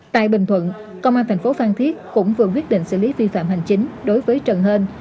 tại bình thuận công an thành phố phan thiết cũng vừa quyết định xử lý vi phạm hành chính đối với trần hên